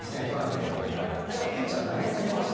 じゃあピッチャー投げさせました。